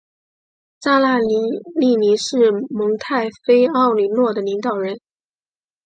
扎纳利尼是蒙泰菲奥里诺的领导人。